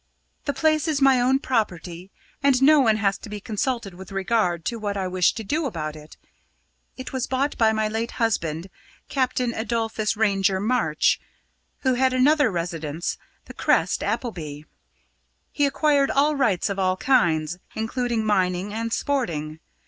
The place is my own property, and no one has to be consulted with regard to what I may wish to do about it. It was bought by my late husband, Captain Adolphus Ranger March, who had another residence, The Crest, Appleby. He acquired all rights of all kinds, including mining and sporting.